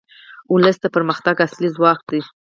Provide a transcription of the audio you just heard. ولس د پرمختګ اصلي ځواک دی.